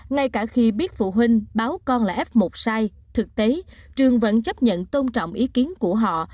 ngay cả khi biết phụ huynh báo con là f một sai thực tế trường vẫn chấp nhận tôn trọng ý kiến của họ